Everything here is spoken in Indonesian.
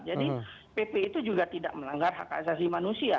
jadi pp itu juga tidak melanggar hak asasi manusia